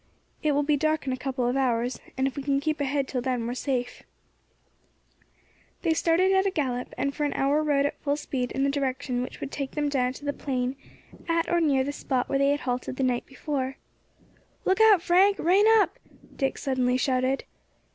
It will be dark in a couple of hours, and if we can keep ahead till then we are safe." They started at a gallop, and for an hour rode at full speed in the direction which would take them down to the plain at or near the spot where they had halted the night before. [Illustration: DICK AND FRANK ELUDE THE INDIANS.] "Look out, Frank! rein up!" Dick suddenly shouted.